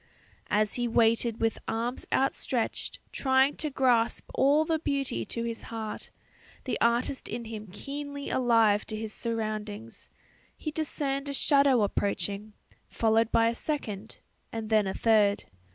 As he waited with arms outstretched trying to grasp all the beauty to his heart, the artist in him keenly alive to his surroundings, he discerned a shadow approaching, followed by a second and then a third.